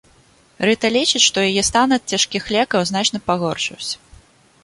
Рыта лічыць, што яе стан ад цяжкіх лекаў значна пагоршыўся.